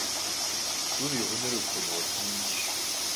ЩӀыр, и гъунэр къыпхуэмыгъуэтыну, инщ.